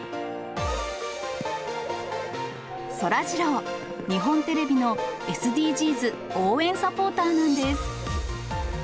そらジロー、日本テレビのＳＤＧｓ応援サポーターなんです。